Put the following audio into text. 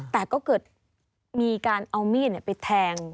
แต่ก็เกิดมีการเอามีดไปแทง